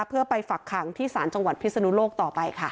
เพื่อไปฝักขังที่ศาลจังหวัดพิศนุโลกต่อไปค่ะ